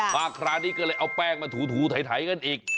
คราวนี้ก็เลยเอาแป้งมาถูไถกันอีก